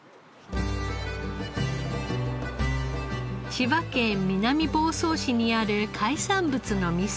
千葉県南房総市にある海産物の店。